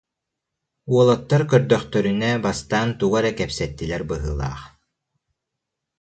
Уолаттар көрдөхтөрүнэ, бастаан тугу эрэ кэпсэттилэр быһыылаах